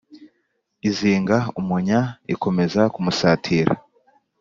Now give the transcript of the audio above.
izinga umunya ikomeza kumusatira